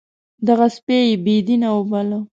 دغه سپی یې بې دینه وباله.